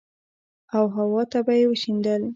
او هوا ته به يې وشيندل.